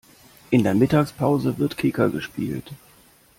In der Mittagspause wird Kicker gespielt.